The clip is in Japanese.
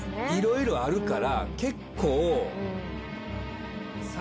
いろいろあるから結構。